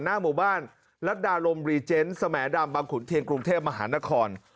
หน้าหมู่บ้านรัฐดาลมรีเจนต์สมดำบางขุนเทียนกรุงเทพมหานคร